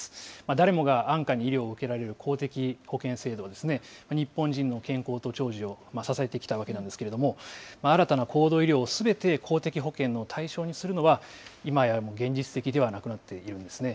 誰もが安価に医療を受けられる公的保険制度、日本人の健康と長寿を支えてきたわけなんですけれども、新たな高度医療をすべて公的保険の対象にするのは、今や現実的ではなくなってきているんですね。